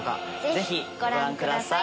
ぜひご覧ください。